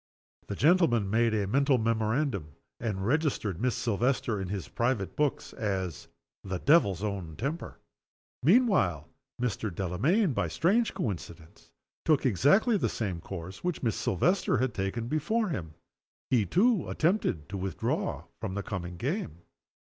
The gentleman made a mental memorandum, and registered Miss Silvester in his private books as "the devil's own temper." Meanwhile Mr. Delamayn, by a strange coincidence, took exactly the same course which Miss Silvester had taken before him. He, too, attempted to withdraw from the coming game.